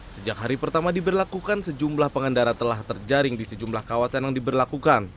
sejak hari pertama diberlakukan sejumlah pengendara telah terjaring di sejumlah kawasan yang diberlakukan